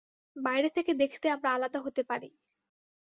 বাইরে থেকে দেখতে আমরা আলাদা হতে পারি।